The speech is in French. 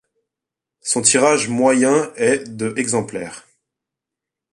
Son tirage moyen est de exemplaires.